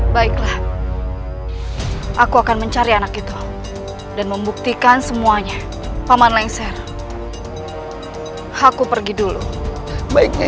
baiklah aku akan mencari anak itu dan membuktikan semuanya paman lengser aku pergi dulu baiknya